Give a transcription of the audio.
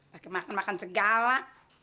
pakai makan makan segala